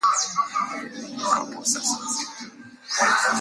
jamhuri ya Kongo Kutokana na nguvu ya umma iliyokuwa ikifanywa na wananchi wa Kongo